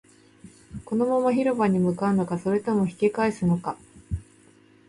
このまま広場に向かうのか、それとも引き返すのか